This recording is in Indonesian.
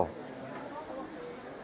guntur soekarno dipercaya dengan anaknya